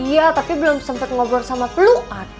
iya tapi belum sempat ngobrol sama peluat